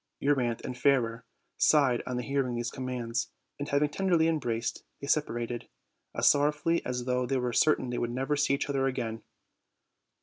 Euryanthe and Fairer sighed on hearing these commands, and, hav ing tenderly embraced, they separated, as sorrowfully as though they were certain they should never see each other again.